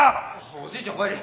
おじいちゃんおかえり。